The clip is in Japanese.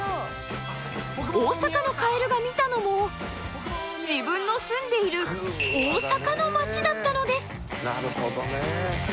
大阪のカエルが見たのも自分の住んでいる大阪の町だったのです。